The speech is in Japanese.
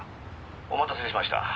「お待たせしました」